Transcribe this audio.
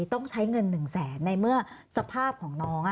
ต้องใช้เงิน๑แสนในเมื่อสภาพของน้อง